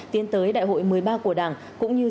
tiến tới đại hội một mươi ba của đảng cũng như